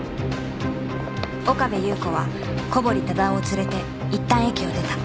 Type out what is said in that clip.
岡部祐子は小堀忠夫を連れていったん駅を出た